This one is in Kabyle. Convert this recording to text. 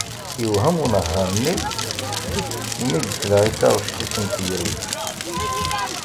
Yewhem unehhar-nni mi yesla i taɣect-is n tegrudt.